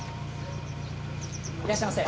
いらっしゃいませ。